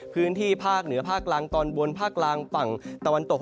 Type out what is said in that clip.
พื้นที่ภาคเหนือภาคกลางตอนบนภาคกลางฝั่งตะวันตก